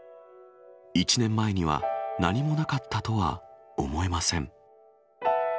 １年前には何もなかったとは思えません。